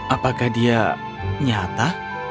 apakah dia nyata